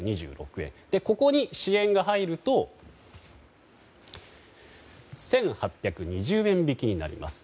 ここに支援が入ると１８２０円引きになります。